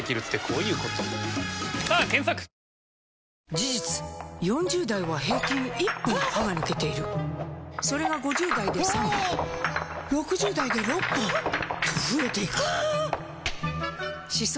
事実４０代は平均１本歯が抜けているそれが５０代で３本６０代で６本と増えていく歯槽